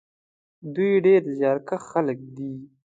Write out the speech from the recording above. دوی ډېر زیارکښ خلک دي.